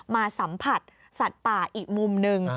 มาสัมผัสสัตว์ป่าอีกมุมหนึ่ง